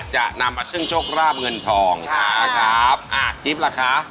จะนำมาซึงโชคร่าเมืองทองทีละคา